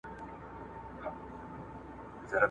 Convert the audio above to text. اوبه په کوهي کي وې.